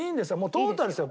トータルですよ。